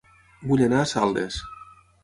Vull anar a Saldes